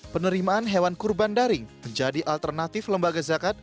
penerimaan hewan kurban daring menjadi alternatif lembaga zakat